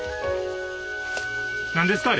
何ですか？